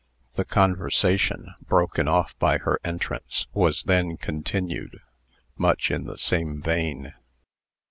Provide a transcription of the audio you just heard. The conversation, broken off by her entrance, was then continued, much in the same vein.